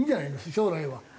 将来は。